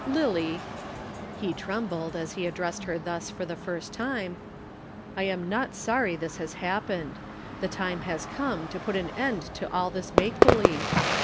Lillie," he trembled as he addressed her thus for the first time "I am not sorry this has happened. The time has come to put an end to all this make believe.